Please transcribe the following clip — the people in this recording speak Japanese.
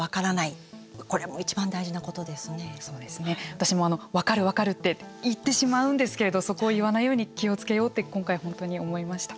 私も分かる分かるって言ってしまうんですけれどそこを言わないように気をつけようって今回、本当に思いました。